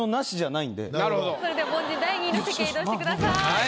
それでは凡人第２位の席へ移動してください。